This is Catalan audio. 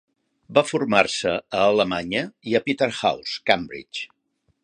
Va formar-se a Alemanya i a Peterhouse, Cambridge.